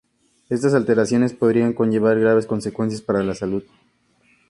Estas alteraciones podrían conllevar graves consecuencias para la salud.